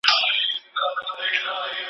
په ګڼ ډګر کي مړ سړی او ږیره ښکاره سوي دي.